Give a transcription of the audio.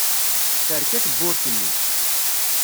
Terka tewwurt-nni.